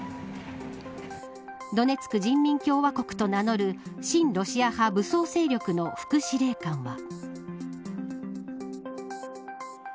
ドネツク人民共和国と名乗る親ロシア派武装勢力の副司令官は。